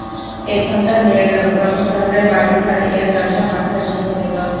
এক ঘণ্টা হইয়া গেল, ক্রমে শহরের বাড়ি ছাড়াইয়া চষা মাঠে আসিয়া পড়িল।